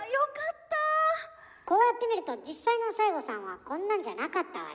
こうやって見ると実際の西郷さんはこんなんじゃなかったわね。